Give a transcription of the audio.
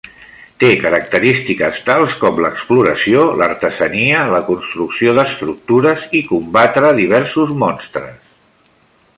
Té característiques tals com l'exploració, l'artesania, la construcció d'estructures i combatre diversos monstres.